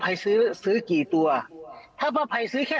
ทนายเกิดผลครับ